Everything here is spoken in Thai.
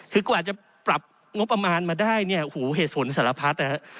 คือกว่าจะปรับงบประมาณมาได้เนี่ยหูเหตุผลสารพัดนะฮะ